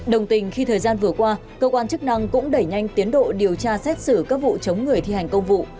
đồng tình khi thời gian vừa qua cơ quan chức năng cũng đẩy nhanh tiến độ điều tra xét xử các vụ chống người thi hành công vụ